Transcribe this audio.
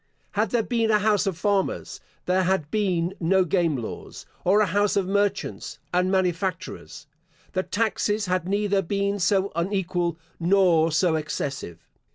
Had there been a house of farmers, there had been no game laws; or a house of merchants and manufacturers, the taxes had neither been so unequal nor so excessive.